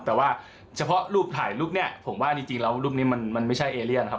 แต่ว่าเฉพาะรูปถ่ายรูปเนี่ยผมว่าจริงแล้วรูปนี้มันไม่ใช่เอเลียนครับ